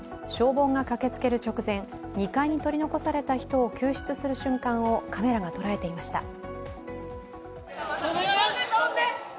消防が駆けつける直前、２階に取り残された人を救出する瞬間をカメラが捉えていました。